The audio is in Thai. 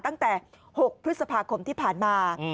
ตั้งแต่๖พฤษภาคมที่ผ่านมา